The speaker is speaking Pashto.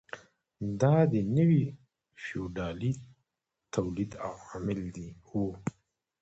دا د نوي فیوډالي تولید عوامل وو.